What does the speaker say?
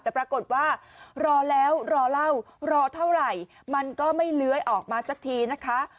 แต่ปรากฏว่ารอแล้วรอเล่ารอเท่าไหร่มันก็ไม่เลื้อยออกมาสักทีนะคะ